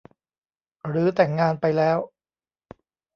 หรือแต่งงานไปแล้ว